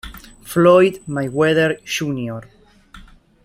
Floyd Mayweather Jr.